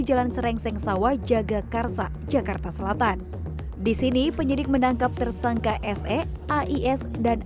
jalan serengseng sawah jagakarsa jakarta selatan disini penyidik menangkap tersangka se ais dan